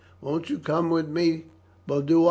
Won't you come with me, Boduoc?"